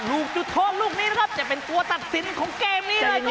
ลูกจุดโทษลูกนี้นะครับจะเป็นตัวตัดสินของเกมนี้เลยครับ